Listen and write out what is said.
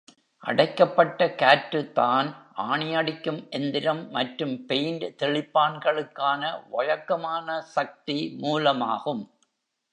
அடைக்கப்பட்ட காற்று தான் ஆணி அடிக்கும் எந்திரம் மற்றும் பெயிண்ட் தெளிப்பான்களுக்கான வழக்கமான சக்தி மூலமாகும்.